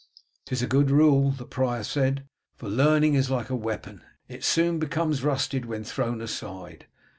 "Tis a good rule," the prior said, "for learning is like a weapon, it soon becomes rusted when thrown aside.